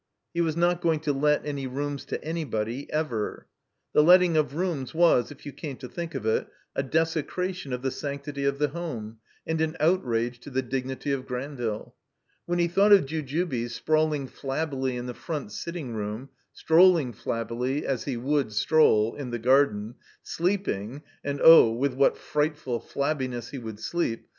He was not going to let any rooms to anybody, ever. The letting of rooms was, if you came to think of it, a desecration of the sanctity of the home and an outrage to the dignity of Gran ville. When he thought of Jujubes sprawling flabbily in the front sitting room, strolling flabbily (as he would stroll) in the garden, sleeping (and oh, with what frightful flabbiness he would sleep!)